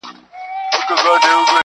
ښه دی چي يې هيچا ته سر تر غاړي ټيټ نه کړ,